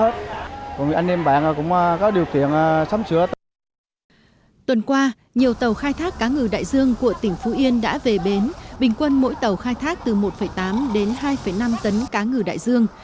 tuần qua nhiều tàu khai thác cá ngừ đại dương của tỉnh phú yên đã về bến bình quân mỗi tàu khai thác từ một tám đến hai năm tấn cá ngừ đại dương